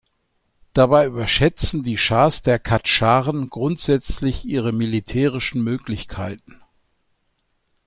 Dabei überschätzten die Schahs der Kadscharen grundsätzlich ihre militärischen Möglichkeiten.